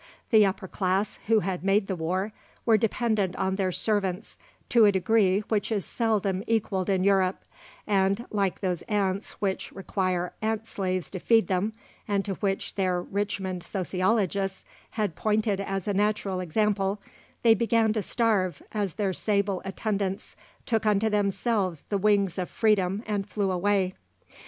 The upper class, who had made the war, were dependent on their servants to a degree which is seldom equalled in Europe; and, like those ants which require ant slaves to feed them, and to which their Richmond "sociologists" had pointed as a natural example, they began to starve as their sable attendants took unto themselves the wings of Freedom and flew away.